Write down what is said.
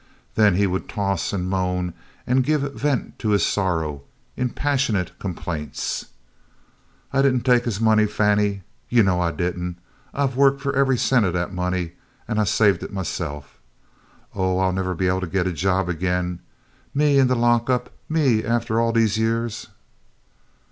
Then he would toss and moan and give vent to his sorrow in passionate complaints. "I did n't tech his money, Fannie, you know I did n't. I wo'ked fu' every cent of dat money, an' I saved it myself. Oh, I 'll nevah be able to git a job ag'in. Me in de lock up me, aftah all dese yeahs!"